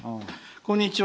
「こんにちは。